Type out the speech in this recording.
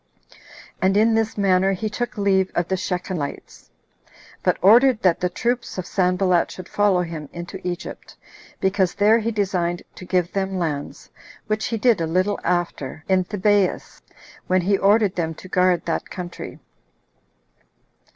And in this manner he took leave of the Shechemites; but ordered that the troops of Sanballat should follow him into Egypt, because there he designed to give them lands, which he did a little after in Thebais, when he ordered them to guard that country.